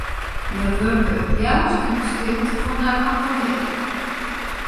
Hja wurke it leafst yn 'e stilte fan har atelier.